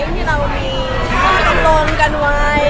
ที่เรามีอารมณ์กันไว้